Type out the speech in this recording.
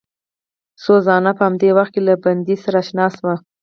سوزانا په همدې وخت کې له بندي سره اشنا شوه.